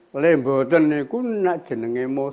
pada waktu itu saya sudah menangis